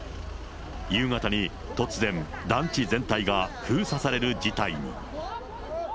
夕方に突然、団地全体が封鎖される事態に。